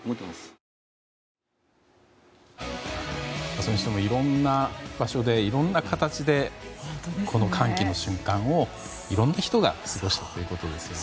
それにしてもいろんな場所で、いろんな形でこの歓喜の瞬間を、いろんな人が過ごしたということですね。